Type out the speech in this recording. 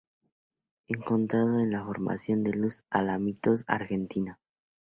Encontrado en la Formación Los Alamitos, Argentina.